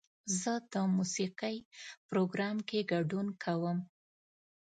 زه د موسیقۍ پروګرام کې ګډون کوم.